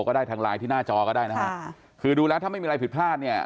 ก็ได้ทางไลน์ที่หน้าจอก็ได้นะฮะค่ะคือดูแล้วถ้าไม่มีอะไรผิดพลาดเนี่ย